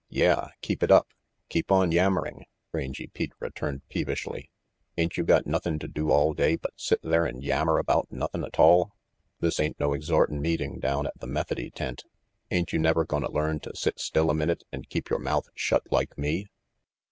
"Yeah. Keep it up. Keep on yammering," Rangy Pete returned peevishly. "Ain't you got nothin' to do all day but sit there and yammer about nothin' atoll? This ain't no exhortin' meeting down at the Methody tent. Ain't you never gonna learn to sit still a minute and keep your mouth shut like me?"